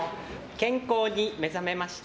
健康に目覚めました。